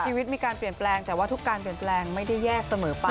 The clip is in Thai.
ชีวิตมีการเปลี่ยนแปลงแต่ว่าทุกการเปลี่ยนแปลงไม่ได้แยกเสมอไป